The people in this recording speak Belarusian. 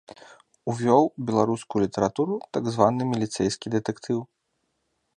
Увёў у беларускую літаратуру так званы міліцэйскі дэтэктыў.